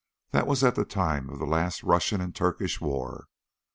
That was at the time of the last Russian and Turkish war.